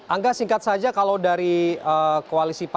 angga singkat saja kalau dari koalisi pan